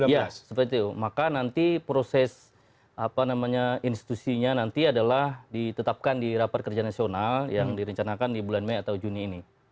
ya seperti itu maka nanti proses apa namanya institusinya nanti adalah ditetapkan di rapat kerja nasional yang direncanakan di bulan mei atau juni ini